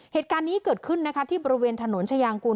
เหตุการณ์นี้เกิดขึ้นนะคะที่บริเวณถนนชายางกูล